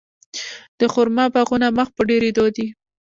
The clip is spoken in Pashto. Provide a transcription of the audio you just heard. د خرما باغونه مخ په ډیریدو دي.